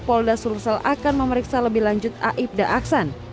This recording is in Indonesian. polda sulsel akan memeriksa lebih lanjut aibda aksan